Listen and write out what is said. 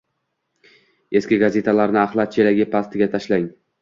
Eski gazetalarni axlat chelagi pastiga tashlang